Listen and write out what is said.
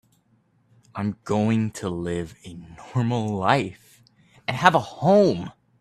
I'm going to live a normal life and have a home.